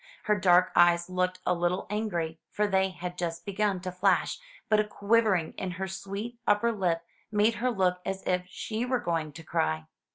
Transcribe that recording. Her dark eyes looked a httle angry, for they had just begun to flash; but a quivering in her sweet upper lip made her look as if she were going to cry.